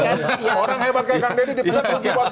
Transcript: orang hebat kayak kang dedy dipecat